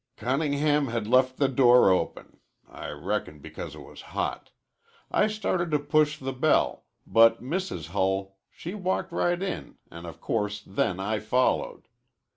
"Cunningham had left the door open, I reckon because it was hot. I started to push the bell, but Mrs. Hull she walked right in an' of course then I followed.